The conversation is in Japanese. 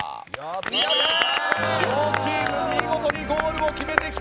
両チーム見事にゴールを決めてきた。